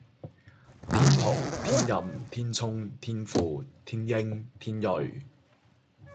天蓬、天任、天衝、天輔、天英、天芮